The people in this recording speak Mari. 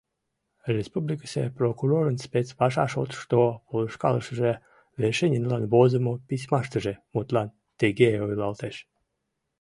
Республикысе прокурорын спецпаша шотышто полышкалышыже Вершининлан возымо письмаштыже, мутлан, тыге ойлалтеш: